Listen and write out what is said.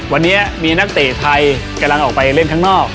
วันนี้มีนักเตะไทยกำลังออกไปเล่นข้างนอก